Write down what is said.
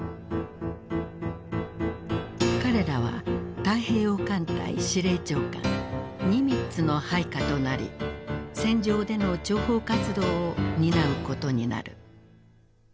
彼らは太平洋艦隊司令長官ニミッツの配下となり戦場での諜報活動を担うことになる。